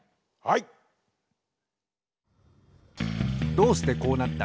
どうしてこうなった？